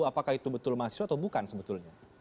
apakah itu betul mahasiswa atau bukan sebetulnya